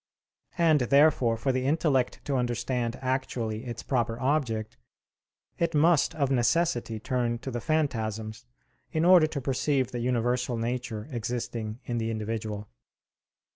And, therefore, for the intellect to understand actually its proper object, it must of necessity turn to the phantasms in order to perceive the universal nature existing in the individual.